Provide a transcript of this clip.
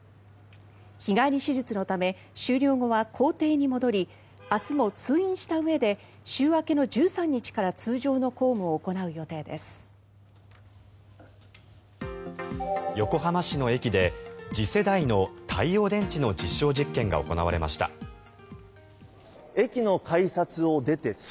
日帰り手術のため終了後は公邸に戻り明日も通院したうえで週明けの１３日から通常の公務を行う予定です。